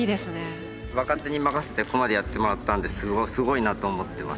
若手に任せてここまでやってもらったんですごいなと思ってます。